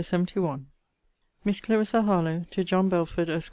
LETTER LXXI MISS CLARISSA HARLOWE, TO JOHN BELFORD, ESQ.